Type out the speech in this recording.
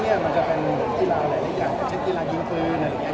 เพราะฉะนั้นเนี่ยมันจะเป็นอีกหลายแหละอีกอย่าง